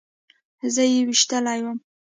زه يې ويشتلى وم.